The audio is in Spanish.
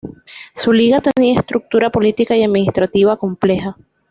Su Liga tenía estructura política y administrativa compleja.